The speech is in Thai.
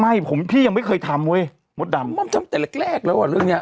ไม่ผมพี่ยังไม่เคยทำเว้ยมดดำม่อมทำแต่แรกแรกแล้วอ่ะเรื่องเนี้ย